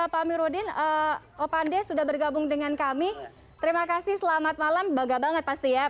pak amiruddin opande sudah bergabung dengan kami terima kasih selamat malam bangga banget pasti ya